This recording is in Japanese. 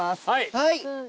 はい！